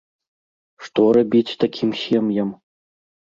Што рабіць такім сем'ям?